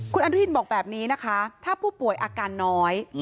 คุณอนุทินบอกแบบนี้นะคะถ้าผู้ป่วยอาการน้อย